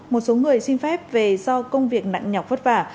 một số người xin phép về do công việc nặng nhọc vất vả